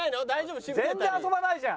全然遊ばないじゃん。